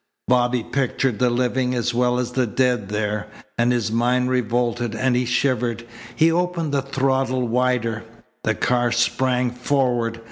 Bobby pictured the living as well as the dead there, and his mind revolted, and he shivered. He opened the throttle wider. The car sprang forward.